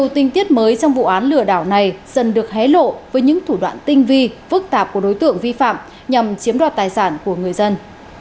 tinh tiết mới trong vụ án lừa đảo này dần được hé lộ với những thủ đoạn tinh vi phức tạp của đối tượng vi phạm nhằm chiếm đoạt tài sản của người dân